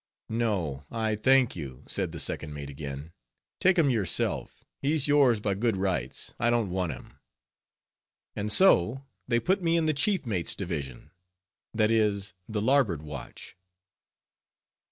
"No, I thank you," said the second mate again. "Take him yourself—he's yours by good rights—I don't want him." And so they put me in the chief mate's division, that is the larboard watch.